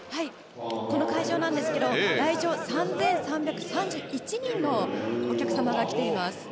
この会場ですが来場、３３３１人のお客様が来ています。